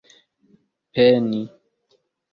peni